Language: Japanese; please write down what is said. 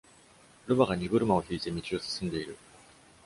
ロバが荷車を引いて道を進んでいる。